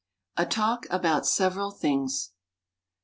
A Talk About Several Things.